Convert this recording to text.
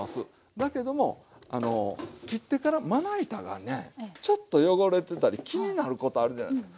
だけども切ってからまな板がねちょっと汚れてたり気になることあるじゃないですか。